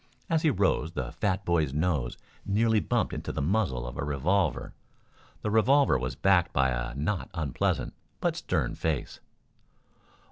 As he rose the fat boy's nose nearly bumped into the muzzle of a revolver. The revolver was backed by a not unpleasant, but stern face.